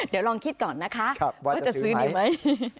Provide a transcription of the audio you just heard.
เดี๋ยวลองคิดก่อนนะคะว่าจะซื้อดีไหม